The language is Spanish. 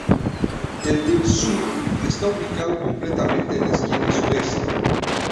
El "Deep South" está ubicado completamente en la esquina sureste.